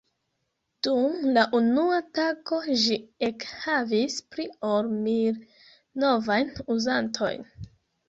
Dum la unua tago ĝi ekhavis pli ol mil novajn uzantojn.